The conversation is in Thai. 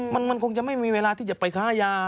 มันคงจะไม่มีเวลาที่จะไปค้ายา